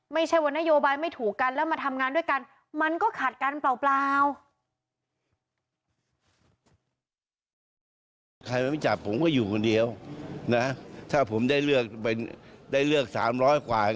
ไม่ใช่ว่านโยบายไม่ถูกกันแล้วมาทำงานด้วยกันมันก็ขัดกันเปล่า